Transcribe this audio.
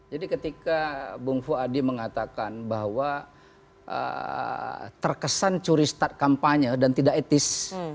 jadi ketika bung fuadi mengatakan bahwa terkesan curi start kampanye dan tidak etis